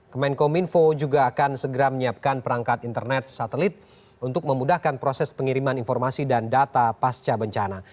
kemenkominfo juga akan segera menyiapkan perangkat internet satelit untuk memudahkan proses pengiriman informasi dan data pasca bencana